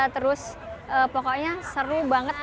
terus pokoknya seru banget